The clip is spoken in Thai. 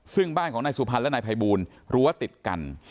ซึ่งบ้านของนายสุพรรณและนายภัยบูลรั้วติดกัน